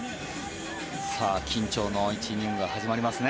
緊張の１イニングが始まりますね。